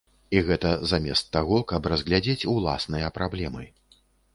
І гэта замест таго, каб разглядзець ўласныя праблемы.